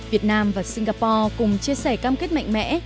việt nam và singapore cùng chia sẻ cam kết mạnh mẽ